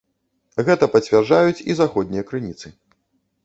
Гэта пацвярджаюць і заходнія крыніцы.